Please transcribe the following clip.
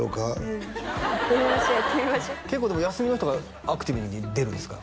うんやってみましょやってみましょ結構でも休みの日とかアクティブに出るんですか？